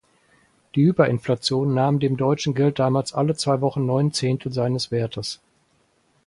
Die Hyperinflation nahm dem deutschen Geld damals alle zwei Wochen neun Zehntel seines Wertes.